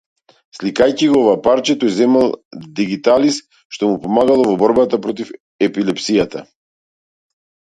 Сликајќи го ова парче, тој земал дигиталис, што му помагало во бората против епилепсијата.